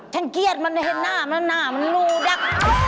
ฉันเกลียดมันเห็นหน้ามันหนูดัก